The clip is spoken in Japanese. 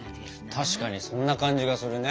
確かにそんな感じがするね。